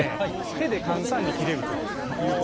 手で簡単に切れるということですね。